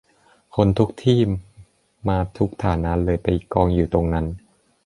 คนทุกที่มาทุกฐานะเลยไปกองอยู่ตรงนั้น